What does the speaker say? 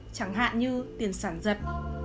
chẳng hạn như tiền sản dật